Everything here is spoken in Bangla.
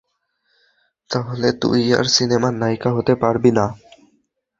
তাহলে তুই আর সিনেমার নায়িকা হতে পারবি না!